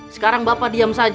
sekarang bapak diam saja